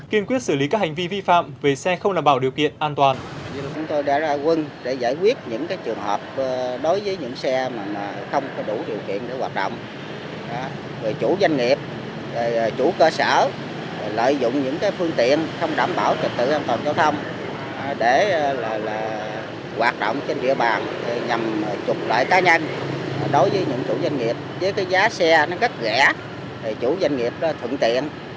kiên quyết xử lý các hành vi vi phạm về xe không làm bảo điều kiện an toàn